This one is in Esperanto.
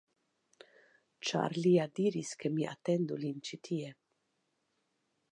Ĉar li ja diris, ke mi atendu lin ĉi tie.